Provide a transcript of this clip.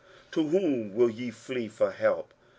to whom will ye flee for help?